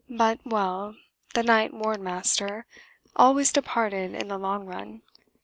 But well the Night Wardmaster always departed in the long run....